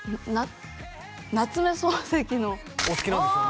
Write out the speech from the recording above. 夏目漱石のお好きなんですよね？